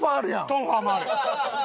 トンファーもある！